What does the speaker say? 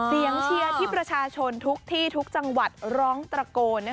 เชียร์ที่ประชาชนทุกที่ทุกจังหวัดร้องตระโกน